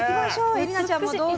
絵里奈ちゃんもどうぞ。